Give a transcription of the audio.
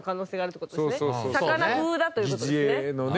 魚風だという事ですね。